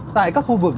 tại các khu vực